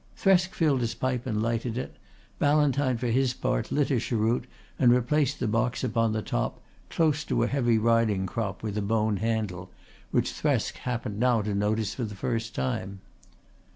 Thresk filled his pipe and lighted it, Ballantyne for his part lit a cheroot and replaced the box upon the top, close to a heavy riding crop with a bone handle, which Thresk happened now to notice for the first time.